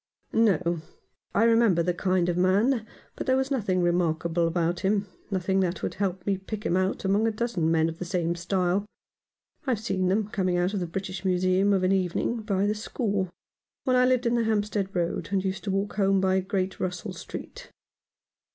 " No. I remember the kind of man — but there was nothing remarkable about him — nothing that would help me to pick him out among a dozen men of the same style. I've seen them coming out of the British Museum of an evening by the score, when I lived in the Hampstead Road and used to walk home by Great Russell Street."